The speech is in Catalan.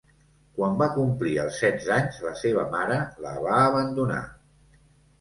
Quan va complir els setze anys, la seva mare la va abandonar.